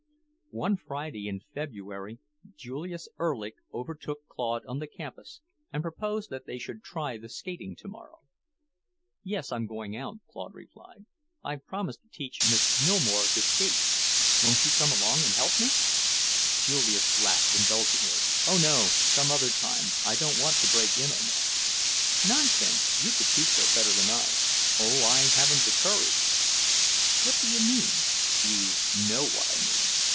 One Friday in February Julius Erlich overtook Claude on the campus and proposed that they should try the skating tomorrow. "Yes, I'm going out," Claude replied. "I've promised to teach Miss Millmore to skate. Won't you come along and help me?" Julius laughed indulgently. "Oh, no! Some other time. I don't want to break in on that." "Nonsense! You could teach her better than I." "Oh, I haven't the courage!" "What do you mean?" "You know what I mean."